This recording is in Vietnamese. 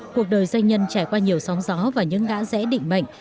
cuộc đời doanh nhân trải qua nhiều sóng gió và những ngã rẽ định mệnh